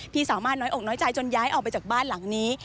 ที่สามารถน้อยอกน้อยใจจนย้ายออกไปจากบ้านหลังนี้